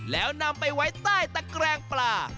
แล้วนำไปไว้ใต้ตะแกรงปลา